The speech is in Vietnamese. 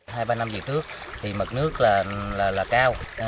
hai ba năm dự trữ thì mực nước là cao